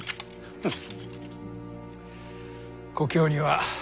フッ。